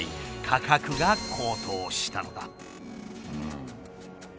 価格が高騰したのだ。